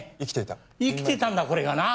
生きていたんだこれがな。